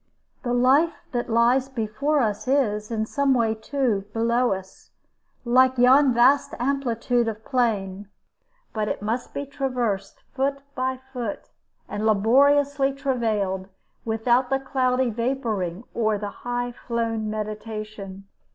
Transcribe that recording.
The life that lies before us is, in some way, too, below us, like yon vast amplitude of plain; but it must be traversed foot by foot, and laboriously travailed, without the cloudy vaporing or the high flown meditation.